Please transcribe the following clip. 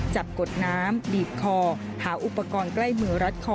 กดน้ำบีบคอหาอุปกรณ์ใกล้มือรัดคอ